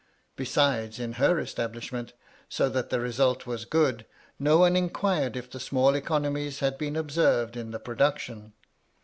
Besides, in her establishment, so that the result was good, no one inquired if the small economies had been observed in the production.